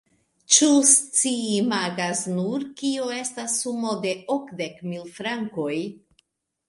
Ĉu ci imagas nur, kio estas sumo da okdek mil frankoj?